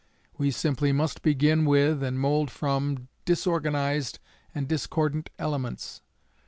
We simply must begin with and mould from disorganized and discordant elements.